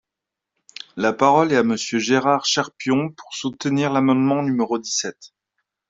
La parole est à Monsieur Gérard Cherpion, pour soutenir l’amendement numéro dix-sept.